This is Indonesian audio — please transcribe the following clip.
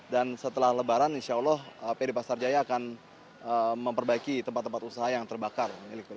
dan setelah lebaran insya allah pd pasar jaya akan memperbaiki tempat tempat usaha yang terbakar